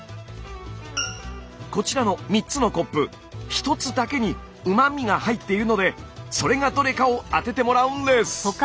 こちらの３つのコップ１つだけにうま味が入っているのでそれがどれかを当ててもらうんです！